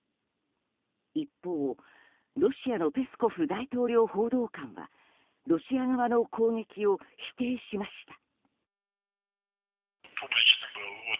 一方、ロシアのペスコフ大統領報道官はロシア側の攻撃を否定しました。